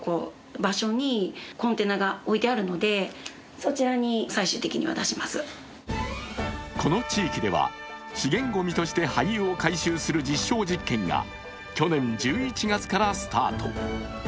それをこの地域では、資源ごみとして廃油を回収する実証実験が去年１１月からスタート。